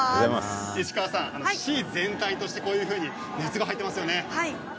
市全体としてこういうふうに熱が入っていますね。